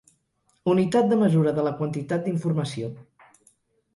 Unitat de mesura de la quantitat d'informació.